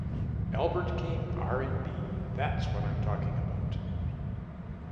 Albert King R and B, that's what I'm talking about.